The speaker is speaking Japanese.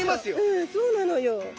うんそうなのよ！